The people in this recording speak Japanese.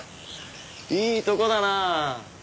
いいとこだなあ。